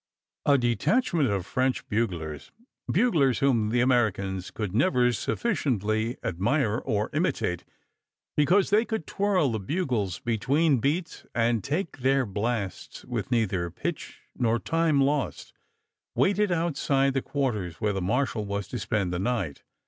A detachment of French buglers buglers whom the Americans could never sufficiently admire or imitate, because they could twirl the bugles between beats and take up their blasts with neither pitch nor time lost waited outside the quarters where the marshal was to spend the night.